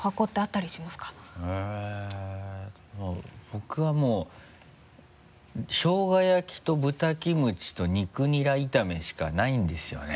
僕はもうしょうが焼きと豚キムチと肉ニラ炒めしかないんですよね。